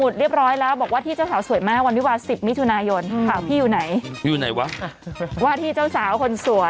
ท้อลกไหมแล้วหนูไปบอก